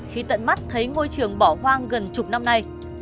khi tận mắt thấy ngôi trường bỏ hoang gần chục năm nay